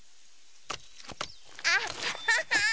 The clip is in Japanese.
アッハハハー！